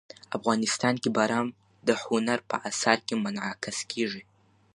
افغانستان کې باران د هنر په اثار کې منعکس کېږي.